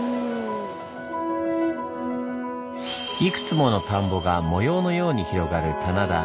いくつもの田んぼが模様のように広がる棚田。